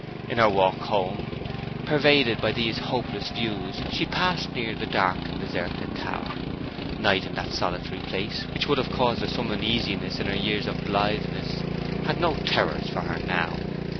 In her walk home, pervaded by these hopeless views, she passed near the dark and deserted tower. Night in that solitary place, which would have caused her some uneasiness in her years of blitheness, had no terrors for her now.